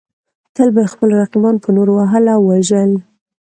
تل به یې خپل رقیبان په نورو وهل او وژل.